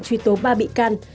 truy tố ba bị can